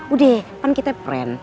udah kan kita friend